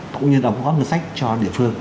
cũng như đóng góp ngân sách cho địa phương